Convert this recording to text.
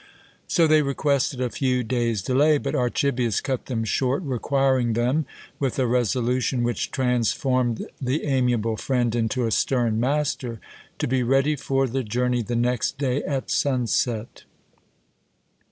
So they requested a few days' delay; but Archibius cut them short, requiring them, with a resolution which transformed the amiable friend into a stern master, to be ready for the journey the next day at sunset.